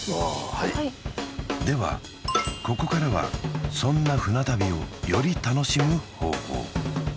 はいはいではここからはそんな船旅をより楽しむ方法